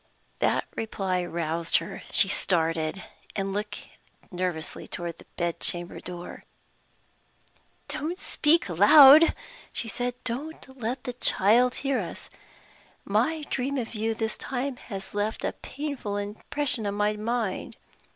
That reply roused her. She started, and looked nervously toward the bed chamber door. "Don't speak loud!" she said. "Don't let the child hear us! My dream of you this time has left a painful impression on my mind.